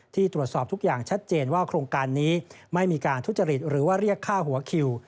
ตรวจสอบทุกอย่างชัดเจนว่าโครงการนี้ไม่มีการทุจริตหรือว่าเรียกค่าหัวคิว